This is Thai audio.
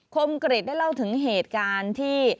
คมกริจได้เล่าถึงเหตุการณ์ที่